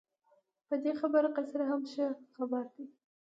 په دې خبره قیصر هم ښه خبر دی.